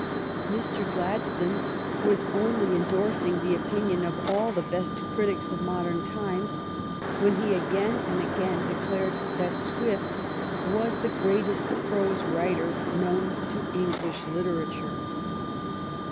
Mr. Gladstone was only endorsing the opinion of all the best critics of modern times when he again and again declared that Swift was the greatest prose writer known to English literature.